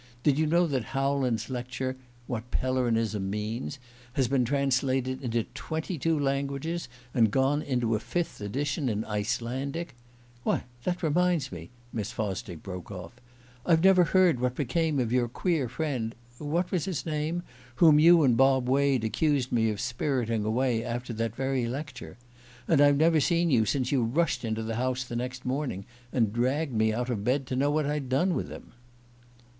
Did you know that Howland's lecture, 'What Pellerinism Means,' has been translated into twenty two languages, and gone into a fifth edition in Icelandic? Why, that reminds me," Miss Fosdick broke off "I've never heard what became of your queer friend what was his name? whom you and Bob Wade accused me of spiriting away after that very lecture. And I've never seen you since you rushed into the house the next morning, and dragged me out of bed to know what I'd done with him!"